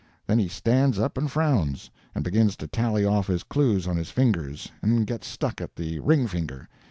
Then he stands up and frowns, and begins to tally off his clues on his fingers and gets stuck at the ring finger.